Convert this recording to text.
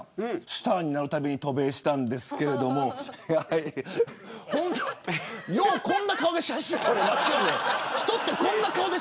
スターになるために渡米したんですがよくこんな顔で写真撮れますよね。